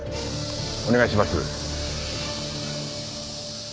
お願いします。